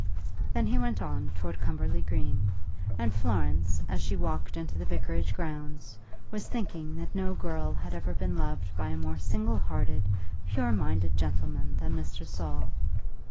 Then he went on towards Cumberly Green; and Florence, as she walked into the vicarage grounds, was thinking that no girl had ever been loved by a more single hearted, pure minded gentleman than Mr. Saul.